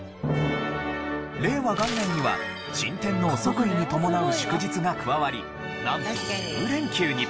令和元年には新天皇即位に伴う祝日が加わりなんと１０連休に！